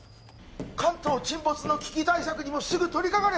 関東沈没の危機対策にもすぐ取りかかれ